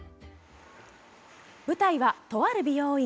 舞台は、とある美容院。